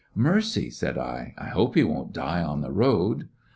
"Mercy 1 " said L "I hope he won't die on the road."